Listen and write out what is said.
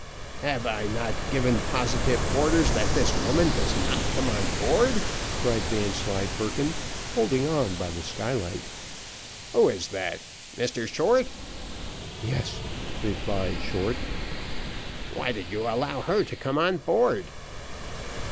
"Have I not given positive orders that this woman does not come on board?" cried Vanslyperken, holding on by the skylight. "Who is that Mr Short?" "Yes," replied Short. "Why did you allow her to come on board?"